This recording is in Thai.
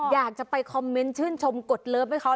อยากจะไปคอมเมนต์ชื่นชมกดเลิฟให้เขา